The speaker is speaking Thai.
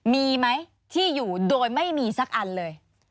มีไหมที่อยู่โดยไม่มีสักอันเลย